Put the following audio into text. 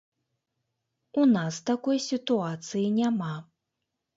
У нас такой сітуацыі няма.